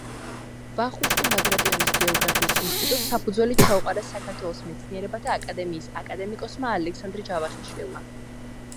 ვახუშტი ბაგრატიონის გეოგრაფიის ინსტიტუტს საფუძველი ჩაუყარა საქართველოს მეცნიერებათა აკადემიის აკადემიკოსმა ალექსანდრე ჯავახიშვილმა.